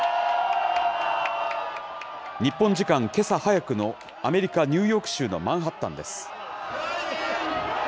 日本時間、けさ早くのアメリカ、ニューヨーク州のマンハッタンです。